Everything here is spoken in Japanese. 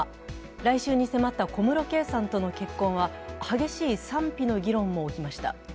来週に迫った小室圭さんとの結婚は激しい賛否の議論も起きました。